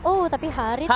oh tapi harith kah